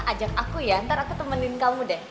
ajak aku ya ntar aku temenin kamu deh